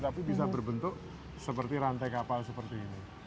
tapi bisa berbentuk seperti rantai kapal seperti ini